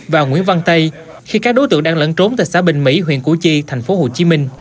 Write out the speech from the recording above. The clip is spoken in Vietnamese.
và nguyễn văn tây khi các đối tượng đang lẫn trốn tại xã bình mỹ huyện củ chi tp hcm